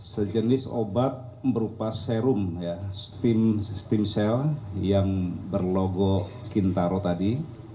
sejenis obat berupa serum sistem sel yang berlogo kintaro tadi